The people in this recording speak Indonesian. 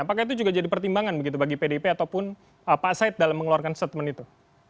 apakah itu juga jadi pertimbangan begitu bagi pdip ataupun pak said dalam mengeluarkan statement itu